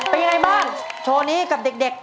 เป็นยังไงบ้างโชว์นี้กับเด็ก